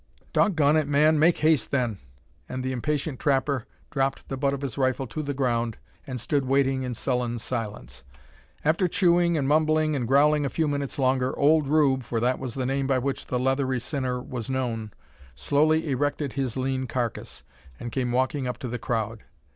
"Dog gone it, man! make haste, then!" and the impatient trapper dropped the butt of his rifle to the ground, and stood waiting in sullen silence. After chewing, and mumbling, and growling a few minutes longer, old Rube, for that was the name by which the leathery sinner was known, slowly erected his lean carcass; and came walking up to the crowd.